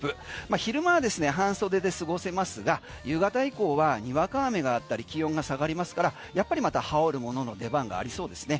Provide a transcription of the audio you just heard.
昼間は半袖で過ごせますが夕方以降はにわか雨があったり気温が下がりますからやっぱり羽織るものの出番がありそうですね。